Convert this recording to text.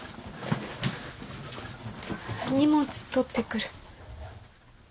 荷物取ってくる。